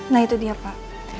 nah itu dia pak